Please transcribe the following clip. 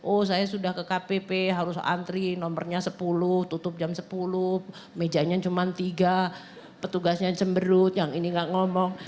oh saya sudah ke kpp harus antri nomornya sepuluh tutup jam sepuluh mejanya cuma tiga petugasnya jemberut yang ini nggak ngomong